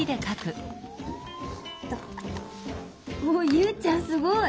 ユウちゃんすごい！